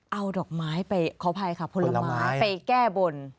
เอาดอกไม้ไปขออภัยค่ะผลไม้ไปแก้บน